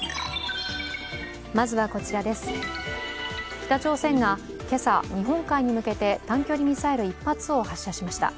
北朝鮮が今朝、日本海に向けて短距離ミサイル１発を発射しました。